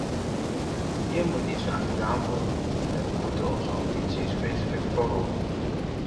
Hier moet iets aan gedaan worden en we moeten onze ambities wezenlijk verhogen.